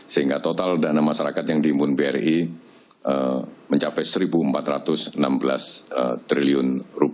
sehingga total dana masyarakat yang diimbun bri mencapai rp satu empat ratus enam belas triliun